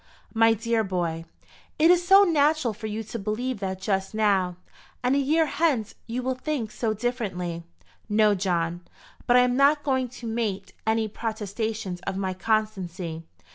"My dear boy, it is so natural for you to believe that just now; and a year hence you will think so differently!" "No, John. But I am not going to make any protestations of my constancy.